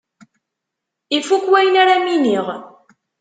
Ifuk wayen ara m-iniɣ.